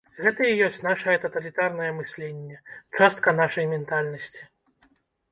Гэта і ёсць нашае таталітарнае мысленне, частка нашай ментальнасці.